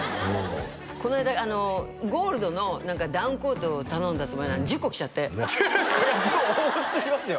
この間ゴールドのダウンコートを頼んだつもりなのに１０個来ちゃって１０個多すぎますよ